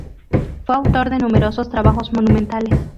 Fue autor de numerosos trabajos monumentales.